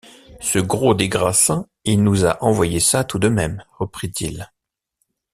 Ce gros des Grassins, il nous a envoyé ça tout de même, reprit-il.